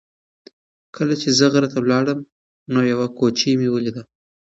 کله چې زه غره ته لاړم نو یوه کوچۍ مې ولیده.